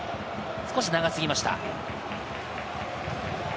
少し長すぎました。